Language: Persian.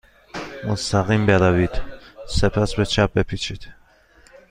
مستقیم بروید. سپس به چپ بپیچید.